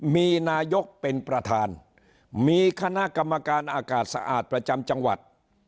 มีนายกเป็นประธานมีคณะกรรมการอากาศสะอาดประจำจังหวัด